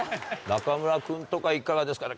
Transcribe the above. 中村君とかいかがですか？